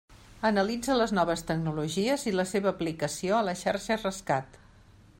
Analitza les noves tecnologies i la seva aplicació a la xarxa Rescat.